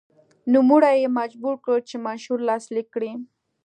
نوموړی یې مجبور کړ چې منشور لاسلیک کړي.